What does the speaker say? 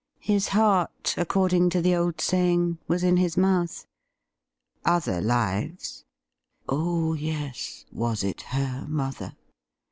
His heart, according to the old saying, was in his mouth. * Other lives ? Oh yes, was it her mother